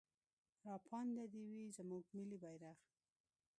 راپانده دې وي زموږ ملي بيرغ.